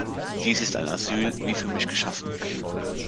Dies ist ein Asyl wie für mich geschaffen.